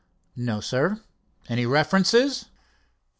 "No, sir." "Any references?"